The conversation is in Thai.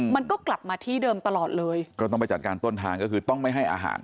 มันก็กลับมาที่เดิมตลอดเลยก็ต้องไปจัดการต้นทางก็คือต้องไม่ให้อาหาร